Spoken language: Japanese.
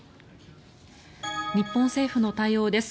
日本政府の対応です。